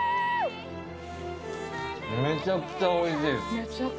めちゃくちゃおいしい。